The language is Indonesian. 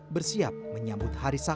bersiap menyambut hari sahabat